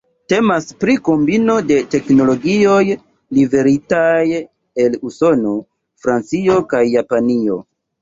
Temas pri kombino de teknologioj liveritaj el Usono, Francio kaj Japanio.